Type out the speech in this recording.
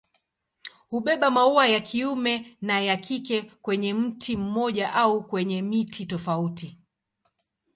Hubeba maua ya kiume na ya kike kwenye mti mmoja au kwenye miti tofauti.